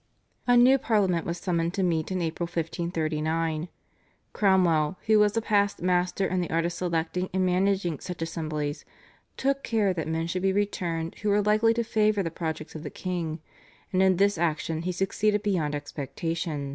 A new Parliament was summoned to meet in April 1539. Cromwell, who was a past master in the art of selecting and managing such assemblies, took care that men should be returned who were likely to favour the projects of the king, and in this action he succeeded beyond expectation.